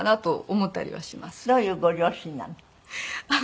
どういうご両親なの？